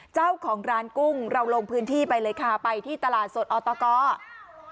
เจ้าของร้านกุ้งเราลงพื้นที่ไปเลยค่ะไปที่ตลาดสดอตก